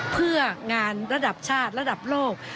เพื่องานระดับชาติระดับโลก